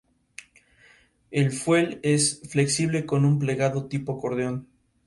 El fuelle es flexible, con un plegado tipo acordeón.